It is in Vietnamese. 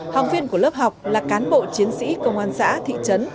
học viên của lớp học là cán bộ chiến sĩ công an xã thị trấn